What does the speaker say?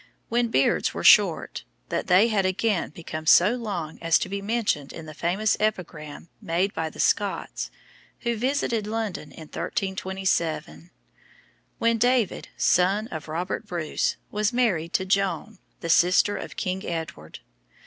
when beards were short, that they had again become so long as to be mentioned in the famous epigram made by the Scots who visited London in 1327, when David, son of Robert Bruce, was married to Joan, the sister of King Edward.